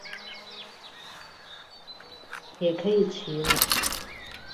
也可以騎了